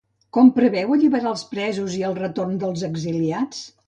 Com preveu alliberar els presos i el retorn dels exiliats?